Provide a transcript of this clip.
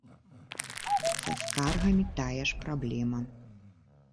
Са скаргамі тая ж праблема.